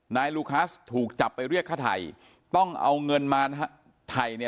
ลูคัสถูกจับไปเรียกค่าไทยต้องเอาเงินมาไทยเนี่ย